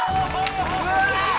うわ！